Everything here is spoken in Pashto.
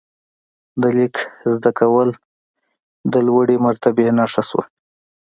د لیک زده کول د لوړې مرتبې نښه شوه.